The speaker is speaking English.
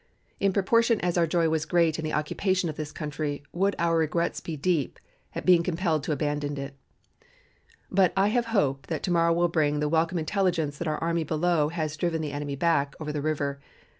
In proportion as our joy was great in the occupation of this country would our regrets be deep at being compelled to abandon it. But I have hope that to morrow will bring the welcome intelligence that our army below has driven the enemy back over the river.